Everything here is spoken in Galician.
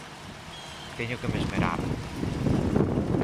Teño que me esmerar